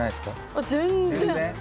あっ全然！